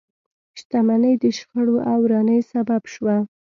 شتمنۍ د شخړو او ورانۍ سبب شوه.